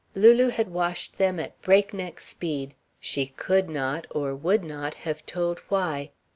Lulu had washed them at break neck speed she could not, or would not, have told why.